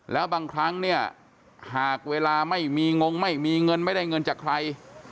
แล้วบางครั้งเนี่ยหากเวลาไม่มีงงไม่มีเงินไม่ได้เงินจากใคร